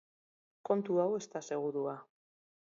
Kontu hau ez da segurua.